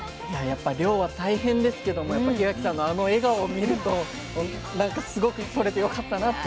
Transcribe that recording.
やっぱ漁は大変ですけども檜垣さんのあの笑顔を見るとすごくとれてよかったなって思いました。